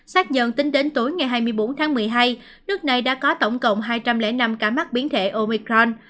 xác nhận tính đến tối ngày hai mươi bốn tháng một mươi hai nước này đã có tổng cộng hai trăm linh năm ca mắc biến thể omicron